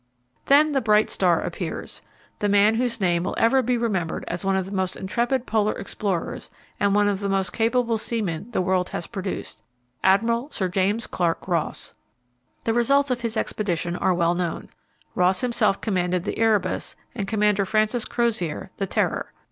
Then the bright star appears the man whose name will ever be remembered as one of the most intrepid polar explorers and one of the most capable seamen the world has produced Admiral Sir James Clark Ross. The results of his expedition are well known. Ross himself commanded the Erebus and Commander Francis Crozier the Terror.